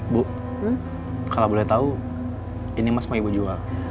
bu kalau boleh tahu ini emas mau ibu jual